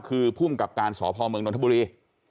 คือภูมิกับการสพเมืองนทบุรี